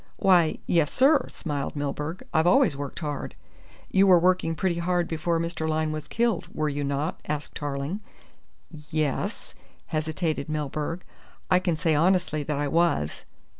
"Why, yes, sir," smiled Milburgh. "I've always worked hard." "You were working pretty hard before Mr. Lyne was killed, were you not?" asked Tarling. "Yes " hesitated Milburgh. "I can say honestly that I was."